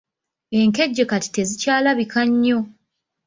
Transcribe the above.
Enkejje kati tezikyalabika nnyo.